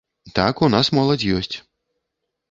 Так, у нас моладзь ёсць.